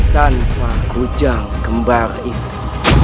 tanpa kujang gembar itu